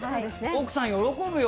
奥さん喜ぶよ